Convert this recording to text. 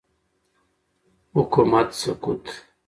حکومت سقوط